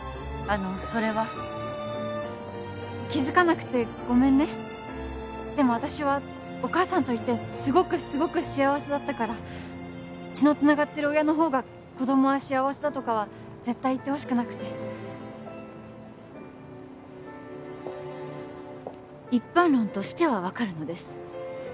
あのそれは気づかなくてごめんねでも私はお母さんといてすごくすごく幸せだったから血のつながってる親のほうが子供は幸せだとかは絶対言ってほしくなくて一般論としては分かるのです